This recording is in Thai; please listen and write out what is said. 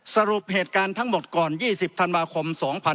สรุปเหตุการณ์ทั้งหมดก่อน๒๐ธันวาคม๒๕๖๒